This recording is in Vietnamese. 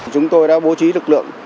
chúng tôi đã bố trí lực lượng